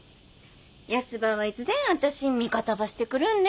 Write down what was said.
ヤスばはいつでんあたしん味方ばしてくるっね。